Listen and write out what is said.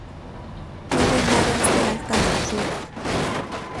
Vive en áreas de alta altitud.